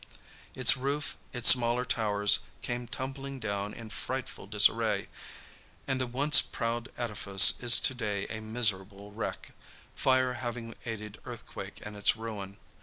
Its roof, its smaller towers came tumbling down in frightful disarray, and the once proud edifice is to day a miserable wreck, fire having aided earthquake in its ruin.